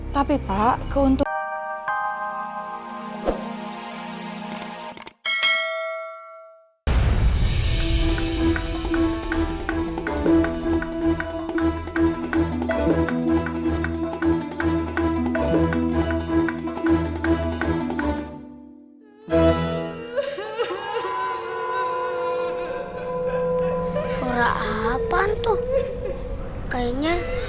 tapi pak keuntungan